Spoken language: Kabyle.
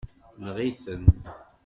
Neɣ-iten.